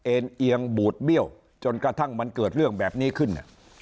เอ็งบูดเบี้ยวจนกระทั่งมันเกิดเรื่องแบบนี้ขึ้น